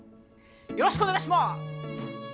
よろしくお願いします！